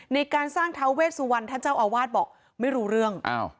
ในการสร้างท้าเวสวรรณท่านเจ้าอาวาสบอกไม่รู้เรื่อง